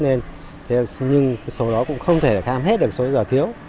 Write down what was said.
nhưng số đó cũng không thể kham hết được số giới giỏi thiếu